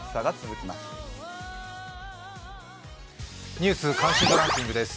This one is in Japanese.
「ニュース関心度ランキング」です。